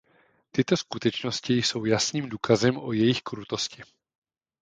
Tyto skutečnosti jsou jasným důkazem o jejich krutosti.